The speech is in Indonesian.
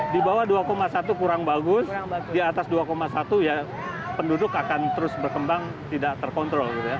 di bawah dua satu kurang bagus di atas dua satu ya penduduk akan terus berkembang tidak terkontrol